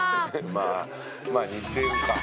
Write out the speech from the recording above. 「まあまあ似てるか」